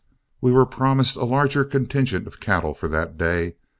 We were promised a large contingent of cattle for that day.